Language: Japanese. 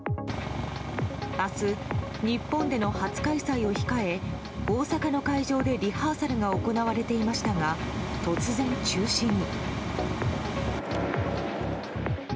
明日、日本での初開催を控え大阪の会場でリハーサルが行われていましたが突然、中止に。